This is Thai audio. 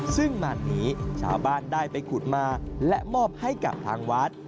ซึ่งมารนี้ชาวบ้านได้ไปขุดมาและมอบให้กับทางวัด